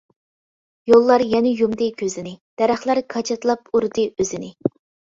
يوللار يەنە يۇمدى كۆزىنى، دەرەخلەر كاچاتلاپ ئۇردى ئۆزىنى.